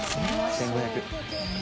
１５００円。